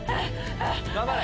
頑張れ！